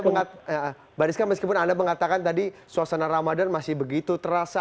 mbak rizka meskipun anda mengatakan tadi suasana ramadan masih begitu terasa